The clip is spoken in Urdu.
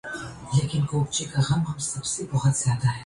پاکستانی نژاد نے دولت میں ڈونلڈ ٹرمپ کو پیچھے چھوڑ دیا